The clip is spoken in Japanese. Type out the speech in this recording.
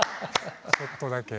ちょっとだけ。